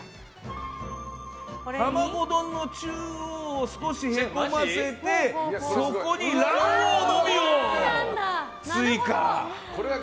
玉子丼の中央を少しへこませてそこに卵黄のみを追加。